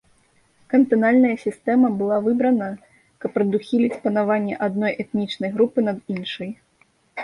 Кантанальная сістэма была выбрана, каб прадухіліць панаванне адной этнічнай групы над іншай.